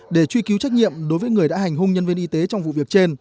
để truy cứu trách nhiệm đối với người đã hành hung nhân viên y tế trong vụ việc trên